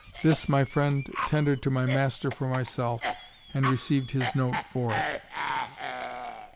This my friend tendered to my master for myself, and received his note for it.